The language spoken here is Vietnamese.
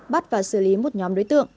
bắt và xử lý một nhóm đối tượng